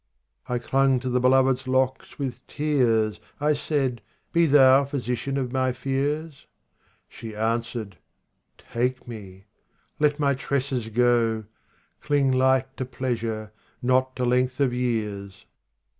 51 I clung to the beloved's locks with tears ; I said, " Be thou physician of my fears ?" She answered :" Take me ! let my tresses go ! Cling light to pleasure, not to length of years